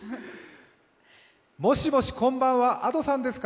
もしもし、こんばんは、Ａｄｏさんですか？